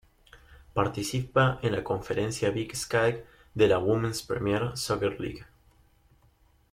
Participa en la conferencia Big Sky de la Women's Premier Soccer League.